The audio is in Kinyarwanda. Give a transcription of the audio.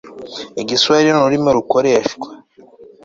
Igiswahiliururimi rukoreshwa